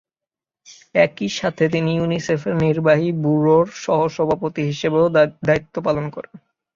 একইসাথে তিনি ইউনিসেফের নির্বাহী ব্যুরোর সহ-সভাপতি হিসেবেও দায়িত্ব পালন করেন।